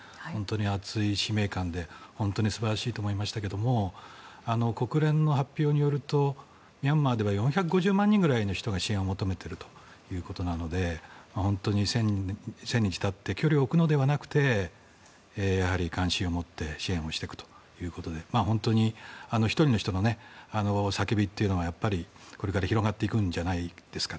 熱い使命感で本当に素晴らしいと思いましたが国連の発表によるとミャンマーでは４５０万人くらいの人が支援を求めているということなので本当に１０００日たって距離を置くのではなくて関心を持って支援していくということで本当に１人の人の叫びというのがやっぱりこれから広がっていくんじゃないですか。